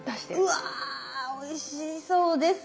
うわおいしそうですけれども。